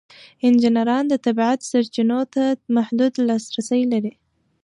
انجینران د طبیعت سرچینو ته محدود لاسرسی لري.